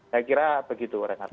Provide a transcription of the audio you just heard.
saya kira begitu renato